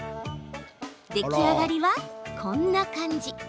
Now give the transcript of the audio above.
出来上がりはこんな感じ。